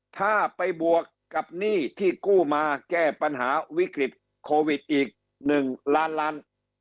ถ้าไปบวกกับหนี้ที่กู้มาแก้ปัญหาวิกฤตโควิดอีก๑ล้านล้าน